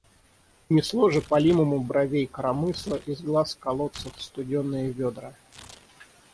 Несло же, палимому, бровей коромысло из глаз колодцев студеные ведра.